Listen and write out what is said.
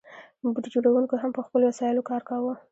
بوټ جوړونکو هم په خپلو وسایلو کار کاوه.